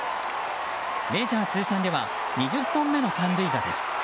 メジャー通算では２０本目の三塁打です。